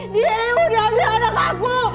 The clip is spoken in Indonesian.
dia yang udah ambil anak aku